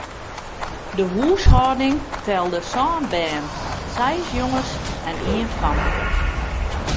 De húshâlding telde sân bern, seis jonges en ien famke.